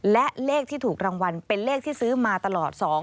และเลขที่ถูกรางวัลเป็นเลขที่ซื้อมาตลอด